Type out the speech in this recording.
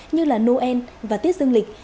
như là noel và tiết dương lịch